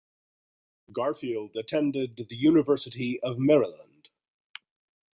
Garfield attended the University of Maryland.